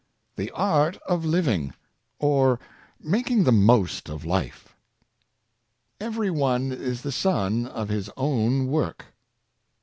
THE ART OF LIVING; OR MAKING THE MOST OF LIFE. " Every one is the son of his own work."